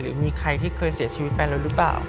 หรือมีใครที่เคยเสียชีวิตไปแล้วหรือเปล่า